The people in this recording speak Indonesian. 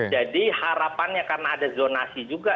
jadi harapannya karena ada zonasi juga